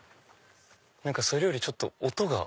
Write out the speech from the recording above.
それよりちょっと音が。